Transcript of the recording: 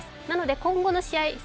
なので今後の試合